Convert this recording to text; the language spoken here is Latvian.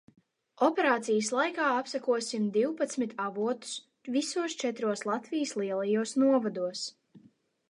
Operācijas laikā apsekosim divpadsmit avotus visos četros Latvijas lielajos novados.